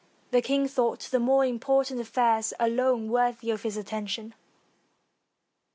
The king thought the more important affairs alone worthy of his attention.